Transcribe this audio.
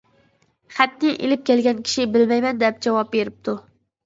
خەتنى ئېلىپ كەلگەن كىشى: «بىلمەيمەن» دەپ جاۋاب بېرىپتۇ.